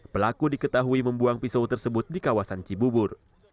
pelaku diketahui membuang pisau tersebut di kawasan cibubur